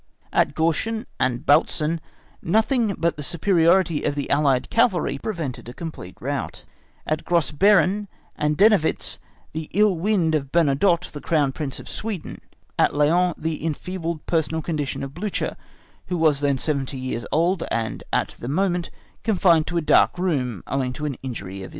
At Gorschen(*) and Bautzen nothing but the superiority of the allied cavalry prevented a complete rout, at Gross Beeren and Dennewitz the ill will of Bernadotte, the Crown Prince of Sweden; at Laon the enfeebled personal condition of Blücher, who was then seventy years old and at the moment confined to a dark room owing to an injury to his eyes.